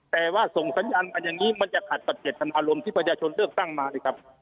แต่ว่าส่งสัญญาณมาอย่างนี้มันจะขัดตัดเก็บธรรมาลมที่ประชาชนเลือกตั้งมาเลยครับ